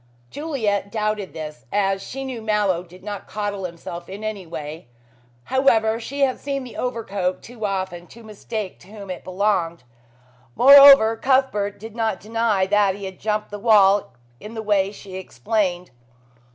Juliet doubted this, as she knew Mallow did not coddle himself in any way. However, she had seen the overcoat too often to mistake to whom it belonged. Moreover, Cuthbert did not deny that he had jumped the wall in the way she explained.